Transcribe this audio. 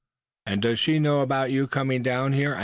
"And does she know about you coming down here?"